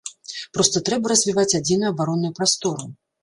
Проста трэба развіваць адзіную абаронную прастору.